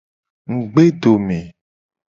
Ngugbedome.